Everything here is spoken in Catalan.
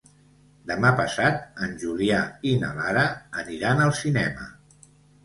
Demà passat en Julià i na Lara aniran al cinema.